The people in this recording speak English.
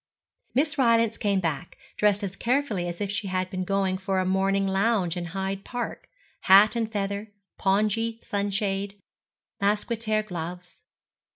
Miss Rylance came back, dressed as carefully as if she had been going for a morning lounge in Hyde Park, hat and feather, pongee sunshade, mousquetaire gloves.